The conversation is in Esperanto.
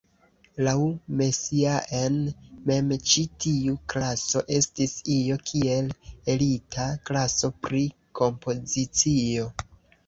Laŭ Messiaen mem ĉi tiu klaso estis io kiel elita klaso pri kompozicio.